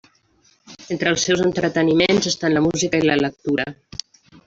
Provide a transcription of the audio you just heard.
Entre els seus entreteniments estan la música i la lectura.